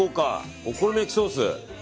お好み焼きソース。